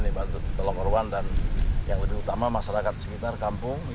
dibantu tolong korban dan yang lebih utama masyarakat sekitar kampung